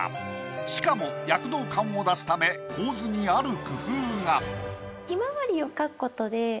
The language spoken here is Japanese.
しかも躍動感を出すため構図にある工夫が。